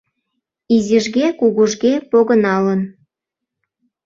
Изижге-кугужге погыналын